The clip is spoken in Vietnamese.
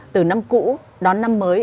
từ năm cũ đón năm mới